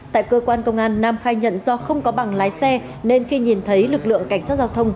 tại cơ quan công an nam khai nhận do không có bằng lái xe nên khi nhìn thấy lực lượng cảnh sát giao thông